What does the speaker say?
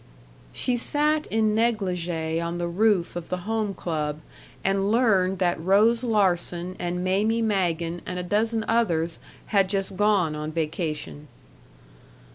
She sat in negligée on the roof of the Home Club and learned that Rose Larsen and Mamie Magen and a dozen others had just gone on vacation.